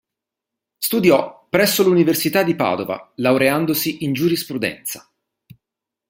Studiò presso l'Università di Padova, laureandosi in giurisprudenza.